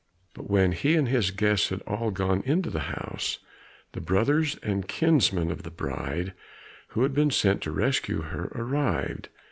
But when he and his guests had all gone into the house, the brothers and kinsmen of the bride, who had been sent to rescue her, arrived.